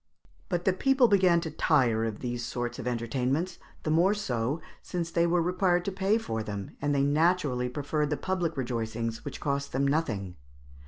But people began to tire of these sorts of entertainments, the more so as they were required to pay for them, and they naturally preferred the public rejoicings, which cost them nothing.